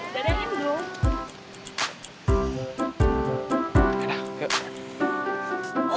dadah itu dulu